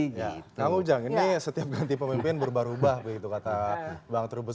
kamu jangan ini setiap ganti pemimpin berubah ubah begitu kata bang trubus